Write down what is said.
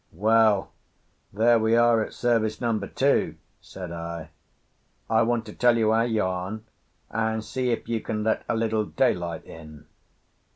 "Well, there we are at service number two," said I. "I want to tell you our yarn, and see if you can let a little daylight in."